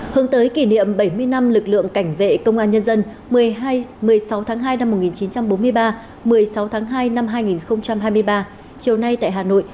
hướng tới kỷ niệm bảy mươi năm lực lượng cảnh vệ công an nhân dân một mươi sáu tháng hai năm một nghìn chín trăm bốn mươi ba một mươi sáu tháng hai năm hai nghìn hai mươi ba chiều nay tại hà nội